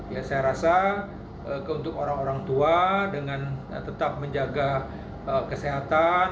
ya saya rasa untuk orang orang tua dengan tetap menjaga kesehatan